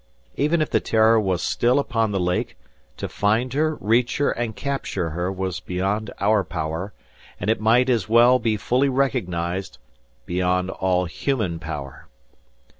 Even if the "Terror" was still upon the lake, to find her, reach her and capture her, was beyond our power, and it might as well be fully recognized beyond all human power.